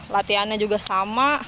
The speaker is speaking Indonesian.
latihannya juga sama